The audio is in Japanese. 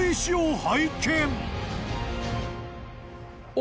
お！